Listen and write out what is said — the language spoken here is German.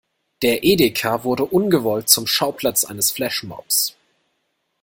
Der Edeka wurde ungewollt zum Schauplatz eines Flashmobs.